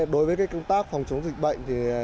đối với công tác phòng chống dịch bệnh